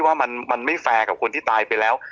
ว่ามันไม่แฟร์กับคนที่ตายไปแล้ว